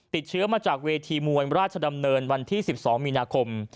ติดเชื้อมาจากเวทีมวยราชดำเนินวันที่๑๒มีนาคม